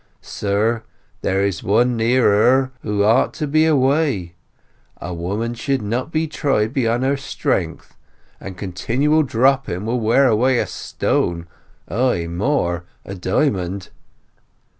Sir, there is one near her who ought to be Away. A woman should not be try'd beyond her Strength, and continual dropping will wear away a Stone—ay, more—a Diamond.